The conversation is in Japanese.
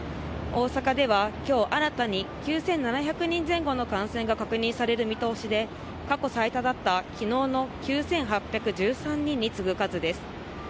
大阪ではきょう新たに、９７００人前後の感染が確認される見通しで、過去最多だったきのうの９８１３人に次ぐ数です。